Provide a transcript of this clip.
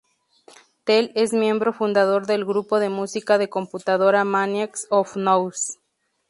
Tel es miembro fundador del grupo de música de computadora Maniacs of Noise.